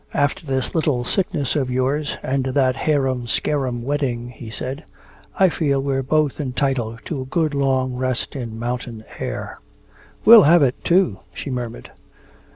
"After this little sickness of yours and that harum scarum wedding," he said, "I feel we're both entitled to a good long rest in mountain air." "We'll have it, too," she murmured.